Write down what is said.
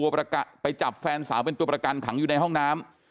ไปจับแฟนสาวเป็นตัวประกันขังอยู่ในห้องน้ำ